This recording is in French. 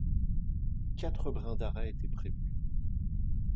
Quatre brins d'arrêt étaient prévus.